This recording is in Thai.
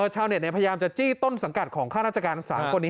ชาวเน็ตพยายามจะจี้ต้นสังกัดของข้าราชการ๓คนนี้